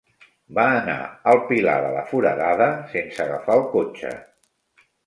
Va anar al Pilar de la Foradada sense agafar el cotxe.